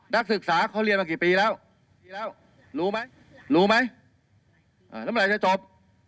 นักศึกษาเขาเรียนมากี่ปีแล้วปีแล้วรู้ไหมรู้ไหมแล้วเมื่อไหร่จะจบ